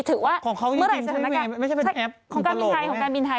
ถือว่าเมื่อไหร่สถานการณ์